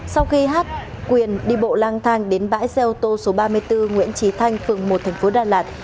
sau khi hát quyền đi bộ lang thang đến bãi xe ô tô số ba mươi bốn nguyễn trí thanh phường một thành phố đà lạt